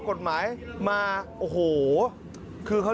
พี่เอามาเป็นสัตว์